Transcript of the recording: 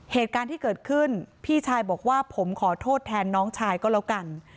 เหตุการณ์ที่เกิดขึ้นพี่ชายบอกว่าผมขอโทษแทนน้องชายก็แล้วกัน